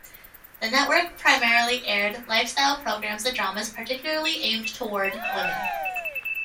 The network primarily aired lifestyle programs and dramas particularly aimed toward women.